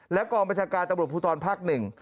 และกรบประชาการตะบุตรภูตรภักดิ์๑